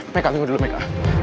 meka tunggu dulu meka